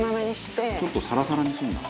「ちょっとサラサラにするんだ」